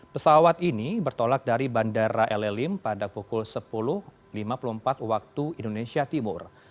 pesawat ini bertolak dari bandara llim pada pukul sepuluh lima puluh empat waktu indonesia timur